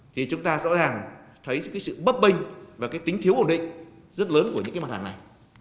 thì chúng ta rõ ràng thấy cái sự bấp binh và cái tính thiếu ổn định rất lớn của những cái mặt hàng này